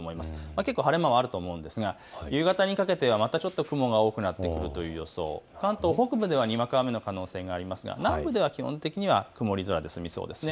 結構、晴れ間もあると思うんですが夕方にかけては、またちょっと雲が多くなってくる予想、関東北部ではにわか雨の可能性がありますが南部では曇り空で済みそうです。